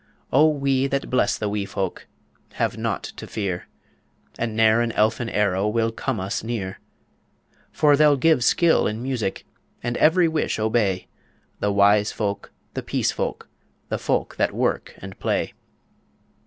O we that bless the wee folk Have naught to fear, And ne'er an elfin arrow Will come us near; For they'll give skill in music, And every wish obey The wise folk, the peace folk, the folk that work and play.